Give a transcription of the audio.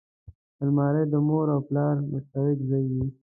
الماري د مور او پلار مشترک ځای وي